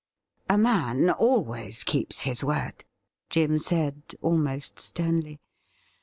' A man always keeps his word,' Jim said, almost sternly.